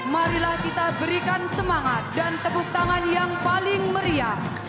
marilah kita berikan semangat dan tepuk tangan yang paling meriah